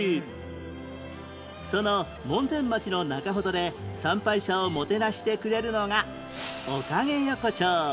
その門前町の中ほどで参拝者をもてなしてくれるのが